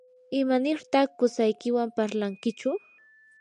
¿imanirtaq qusaykiwan parlankichu?